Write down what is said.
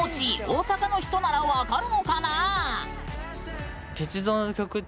大阪の人なら分かるのかな？